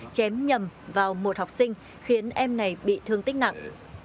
chém nhầm vào một học sinh khiến em này bị thương tích nặng